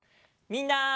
みんな！